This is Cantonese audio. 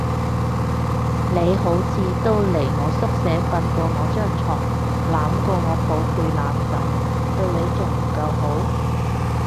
你好似都嚟我宿舍瞓過我張床，攬過我寶貝攬枕，對你仲唔夠好？